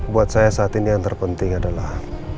buat saya saat ini yang terpenting adalah